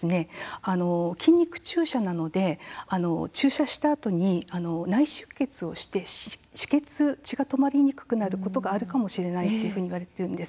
これはどうしてかというと筋肉注射なので注射したあとに内出血をして血が止まりにくくなることがあるかもしれないと言われているんです。